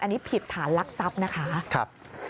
อันนี้ผิดฐานลักทรัพย์นะคะ